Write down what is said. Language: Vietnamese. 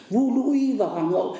vu lũy và hoàng hậu